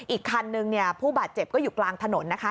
อีกคันนึงเนี่ยผู้บาดเจ็บก็อยู่กลางถนนนะคะ